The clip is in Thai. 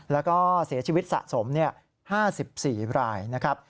แล้วก็เสียชีวิตสะสม๕๔รายนะครับ